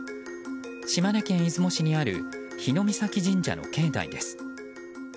島根県出雲市にある日御碕神社の境内です。